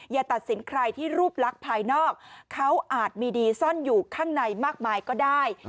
อย่าตัดสินใครที่รูปลักษณ์ภายนอกเขาอาจมีดีซ่อนอยู่ข้างในมากมายก็ได้